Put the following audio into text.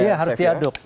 iya harus diaduk